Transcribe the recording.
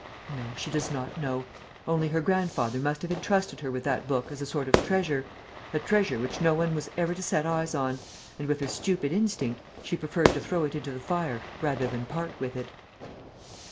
"No, she does not know. Only, her grandfather must have entrusted her with that book as a sort of treasure, a treasure which no one was ever to set eyes on, and, with her stupid instinct, she preferred to throw it into the fire rather than part with it."